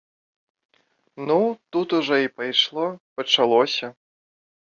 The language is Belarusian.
Ну, тут ужо і пайшло, пачалося.